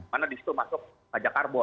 mana di situ masuk pajak karbo